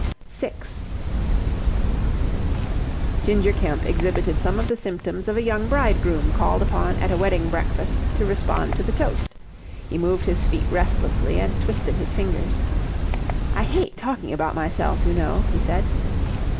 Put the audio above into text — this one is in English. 6 Ginger Kemp exhibited some of the symptoms of a young bridegroom called upon at a wedding breakfast to respond to the toast. He moved his feet restlessly and twisted his fingers. "I hate talking about myself, you know," he said.